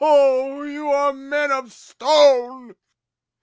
O, you are men of stone.